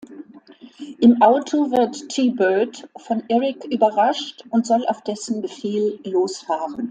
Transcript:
Im Auto wird T-Bird von Eric überrascht und soll auf dessen Befehl losfahren.